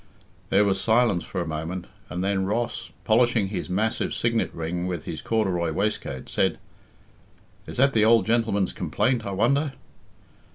There was silence for a moment, and then Ross, polishing his massive signet ring on his corduroy waistcoat, said, "Is that the old gentleman's complaint, I wonder?"